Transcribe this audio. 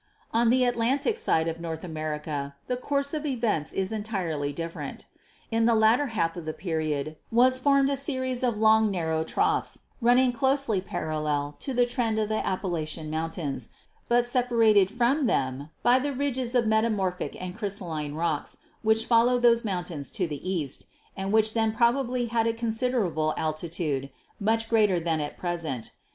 "On the Atlantic side of North America the course of events was entirely different. In the latter half of the period was formed a series of long, narrow troughs, run ning closely parallel to the trend of the Appalachian Mountains, but separated from them by the ridges of 224 GEOLOGY metamorphic and crystalline _ rocks which follow those mountains on the east, and which then probably had a considerable altitude, much greater than at present.